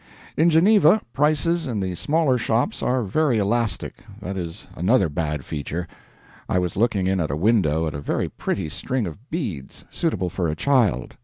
In Geneva, prices in the smaller shops are very elastic that is another bad feature. I was looking in at a window at a very pretty string of beads, suitable for a child.